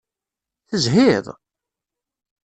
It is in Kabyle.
Tezhiḍ?